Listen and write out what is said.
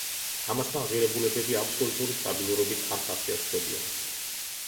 ამასთან ღირებულებები აბსოლუტური სტაბილურობით არ ხასიათდებიან.